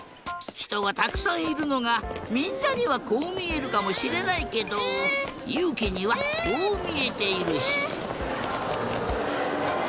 ひとがたくさんいるのがみんなにはこうみえるかもしれないけどゆうきにはこうみえているし。